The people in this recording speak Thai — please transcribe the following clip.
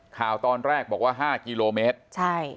ข่าวตอนแรกบอกว่า๕กิโลเมตรใช่